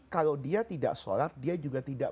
kalau dia tidak sholat dia juga tidak